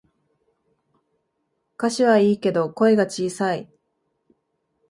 歌詞はいいけど声が小さい